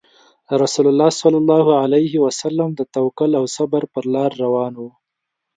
رسول الله صلى الله عليه وسلم د توکل او صبر په لار روان وو.